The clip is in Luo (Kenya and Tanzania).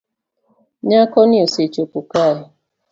Nyakoni osechopo kae